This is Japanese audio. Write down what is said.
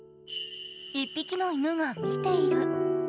１匹の犬が見ている。